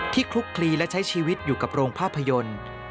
คลุกคลีและใช้ชีวิตอยู่กับโรงภาพยนตร์